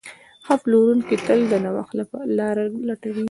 ښه پلورونکی تل د نوښت لاره لټوي.